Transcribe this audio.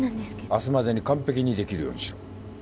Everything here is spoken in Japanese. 明日までに完璧にできるようにしろ。